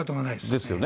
ですよね。